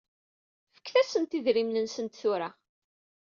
Fket-asent idrimen-nsent tura.